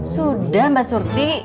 sudah mbak surti